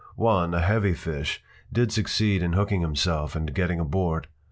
One, a heavy fish, did succeed in hooking himself and getting aboard.